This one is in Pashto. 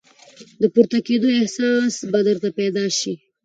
د پورته کېدو احساس به درته پیدا شي !